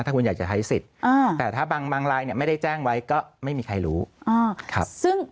ถ้าคุณอยากจะใช้สิทธิ์แต่ถ้าบางรายเนี่ยไม่ได้แจ้งไว้ก็ไม่มีใครรู้